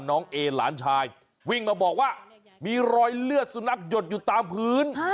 น้องเอหลานชายวิ่งมาบอกว่ามีรอยเลือดสุนัขหยดอยู่ตามพื้น